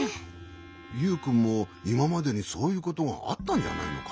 ユウくんもいままでにそういうことがあったんじゃないのかい？